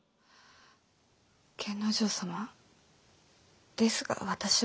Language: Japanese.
源之丞様ですが私は。